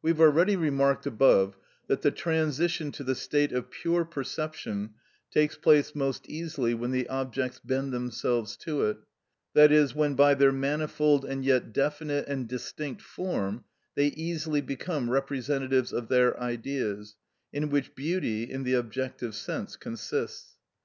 We have already remarked above that the transition to the state of pure perception takes place most easily when the objects bend themselves to it, that is, when by their manifold and yet definite and distinct form they easily become representatives of their Ideas, in which beauty, in the objective sense, consists.